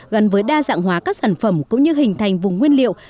gần với đa dạng hóa các sản phẩm cũng như hình thành vùng nguyên liệu